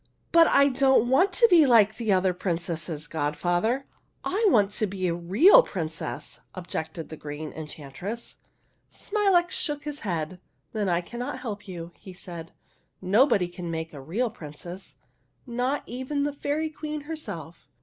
'' But I don't want to be like all the other princesses, godfather; I want to be a real princess," objected the Green Enchantress. Smilax shook his head. " Then I cannot help you," he said. '' Nobody can make a real princess, — not even the Fairy Queen her self.